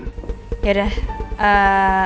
alhamdulillah ternyata andin sudah baik kan